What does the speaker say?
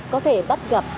có thể bắt gặp